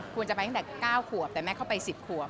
ควรจะไปตั้งแต่๙ขวบแต่แม่เข้าไป๑๐ขวบ